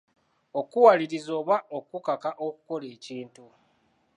Okuwaliriza oba okukaka okukola ekintu.